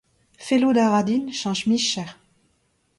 Fellout a ra din cheñch micher.